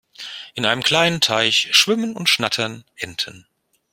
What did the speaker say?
In einem kleinen Teich schwimmen und schnattern Enten.